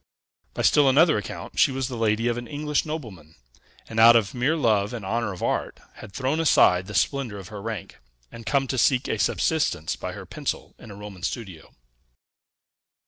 By still another account she was the lady of an English nobleman; and, out of mere love and honor of art, had thrown aside the splendor of her rank, and come to seek a subsistence by her pencil in a Roman studio.